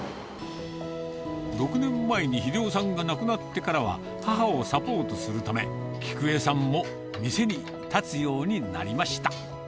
６年前に秀男さんが亡くなってからは、母をサポートするため、喜久江さんも店に立つようになりました。